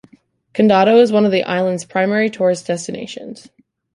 Condado is one of the island's primary tourist destinations.